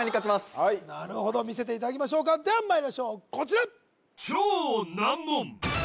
はい見せていただきましょうかではまいりましょうこちら